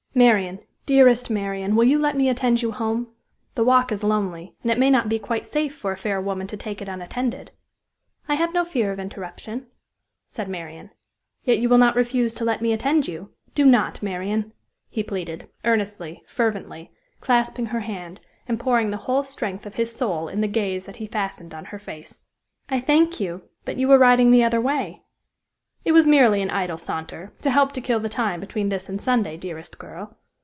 "Marian dearest Marian, will you let me attend you home? The walk is lonely, and it may not be quite safe for a fair woman to take it unattended." "I have no fear of interruption," said Marian. "Yet you will not refuse to let me attend you? Do not, Marian!" he pleaded, earnestly, fervently, clasping her hand, and pouring the whole strength of his soul in the gaze that he fastened on her face. "I thank you; but you were riding the other way." "It was merely an idle saunter, to help to kill the time between this and Sunday, dearest girl.